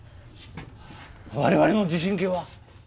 我々の地震計は？